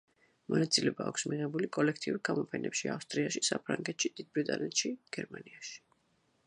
მონაწილეობა აქვს მიღებული კოლექტიურ გამოფენებში ავსტრიაში, საფრანგეთში, დიდ ბრიტანეთში, გერმანიაში.